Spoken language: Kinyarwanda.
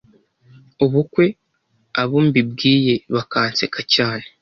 ubukwe abo mbibwiye bakanseka cyane